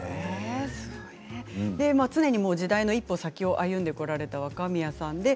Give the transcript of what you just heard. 常に時代の一歩先を歩んでこられた若宮さんです